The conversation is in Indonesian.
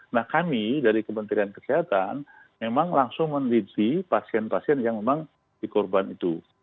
nah kami dari kementerian kesehatan memang langsung meneliti pasien pasien yang memang dikorban ini